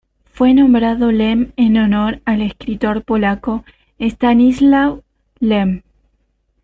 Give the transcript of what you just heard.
Fue nombrado Lem en honor al escritor polaco Stanisław Lem.